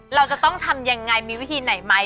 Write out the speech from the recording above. เราจะต้องทำยังไงมีวิธีไหนไหม